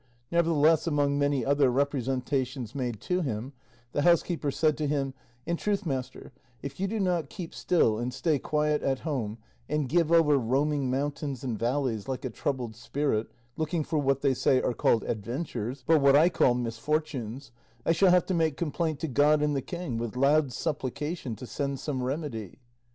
Nevertheless, among many other representations made to him, the housekeeper said to him, "In truth, master, if you do not keep still and stay quiet at home, and give over roaming mountains and valleys like a troubled spirit, looking for what they say are called adventures, but what I call misfortunes, I shall have to make complaint to God and the king with loud supplication to send some remedy."